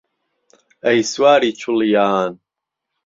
ئهی سواری چوڵييان